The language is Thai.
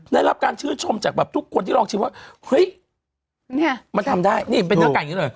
ได้รับการชื่นชมจากแบบทุกคนที่ลองชิมว่าเฮ้ยเนี่ยมันทำได้นี่เป็นเนื้อไก่อย่างนี้เลย